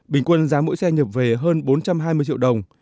bình quân giá mỗi xe nhập về hơn bốn trăm hai mươi triệu đồng